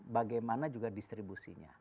bagaimana juga distribusinya